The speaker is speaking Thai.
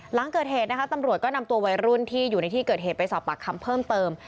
หลังเกิดเหตุนะคะตำรวจก็นำตัววัยรุ่นที่อยู่ในที่เกิดเหตุไปสอบปากคำเพิ่มเติม